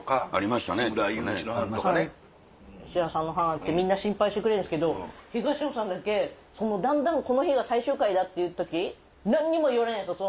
石田さんの班ってみんな心配してくれるんですけど東野さんだけそのだんだんこの日が最終回だっていう時何にも言わないんですよ